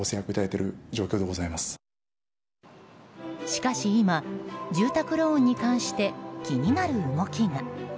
しかし今、住宅ローンに関して気になる動きが。